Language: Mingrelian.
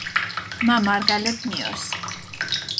მა მარგალეფ მიორს